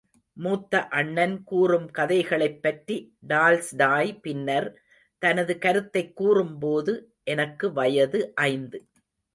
மூத்த அண்ணன் கூறும் கதைகளைப் பற்றி டால்ஸ்டாய் பின்னர், தனது கருத்தைக் கூறும் போது, எனக்கு வயது ஐந்து.